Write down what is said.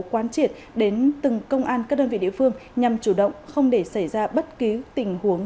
quan triệt đến từng công an các đơn vị địa phương nhằm chủ động không để xảy ra bất cứ tình huống